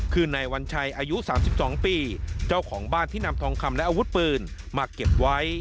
คือนายวัญชัยอายุ๓๒ปีเจ้าของบ้านที่นำทองคำและอาวุธปืนมาเก็บไว้